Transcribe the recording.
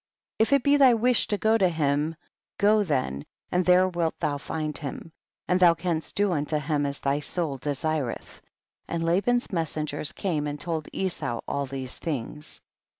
63. If it be thy wish to go to him, go then and there wilt thou find him, and thou canst do unto him as thy soul desireth ; and Laban's messen gers came and' told Esau all these things.